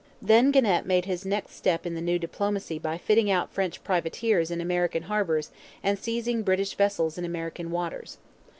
Then Genet made his next step in the new diplomacy by fitting out French privateers in American harbours and seizing British vessels in American waters.